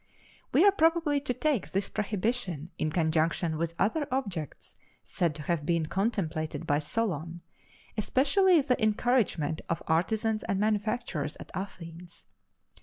We are probably to take this prohibition in conjunction with other objects said to have been contemplated by Solon, especially the encouragement of artisans and manufacturers at Athens.